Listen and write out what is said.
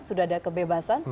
sudah ada kebebasan